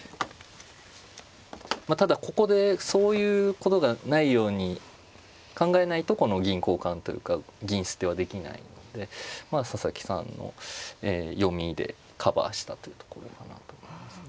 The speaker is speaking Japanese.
まあただここでそういうことがないように考えないとこの銀交換というか銀捨てはできないのでまあ佐々木さんの読みでカバーしたというところかなと思いますね。